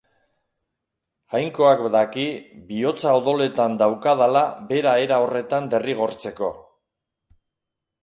Jainkoak daki bihotza odoletan daukadala bera era horretan derrigortzeko.